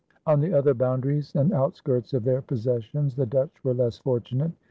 On the other boundaries and outskirts of their possessions, the Dutch were less fortunate.